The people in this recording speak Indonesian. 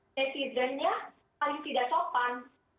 netizennya paling tidak sopan